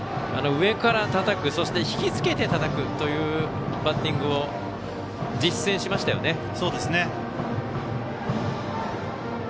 上からたたくそして、引き付けてたたくというバッティングを実践しましたよね。